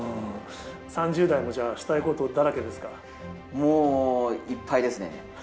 ３０代もじゃあ、もういっぱいですね。